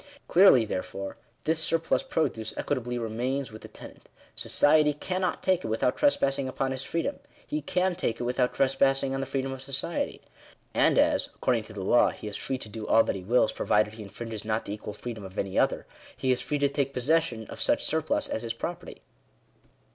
Clearly, therefore, this surplus produce equitably remains with the tenant : society cannot take it without tres passing upon his freedom ; he can take it without trespass ing on the freedom of society. And as, according to the law, he is free to do all that he wills, provided he infringes not the equal freedom of any other, he is free to take possession of such surplus as his property.